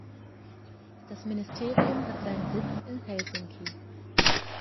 Das Ministerium hat seinen Sitz in Helsinki.